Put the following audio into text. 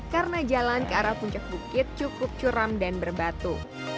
karena jalan ke arah puncak bukit cukup curam dan berbatu